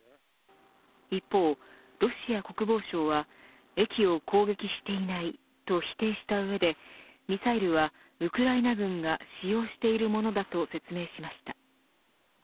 一方、ロシア国防省は駅を攻撃していないと否定した上でミサイルはウクライナ軍が使用しているものだと説明しました。